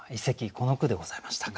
この句でございましたか。